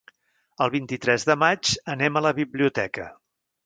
El vint-i-tres de maig anem a la biblioteca.